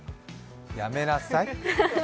やめなさい。